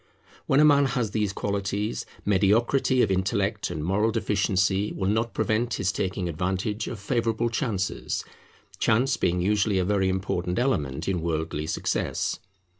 When a man has these qualities, mediocrity of intellect and moral deficiency will not prevent his taking advantage of favourable chances; chance being usually a very important element in worldly success.